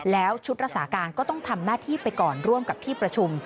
แล้วชุดรักษาการก็ต้องทำหน้าที่ไปก่อนร่วมกับที่ประชุม